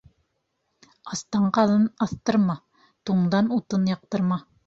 Астан ҡаҙан аҫтырма, туңдан утын яҡтырма.